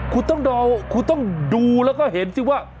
คุณต้องดูแล้วก็เห็นสิว่า